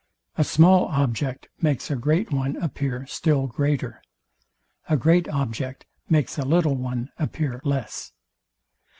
A small object makes a great one appear still greater. A great object makes a little one appear less.